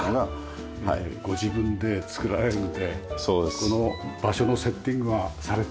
この場所のセッティングはされて。